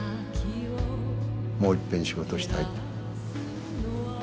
もういっぺん仕事したいと。